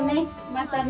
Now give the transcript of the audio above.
またね。